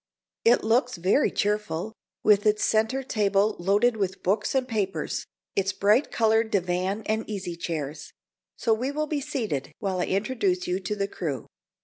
It looks very cheerful, with its centre table loaded with books and papers, its bright colored divan and easy chairs; so we will be seated while I introduce you to the crew.